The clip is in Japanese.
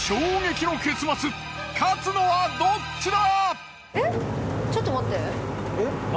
勝つのはどっちだ？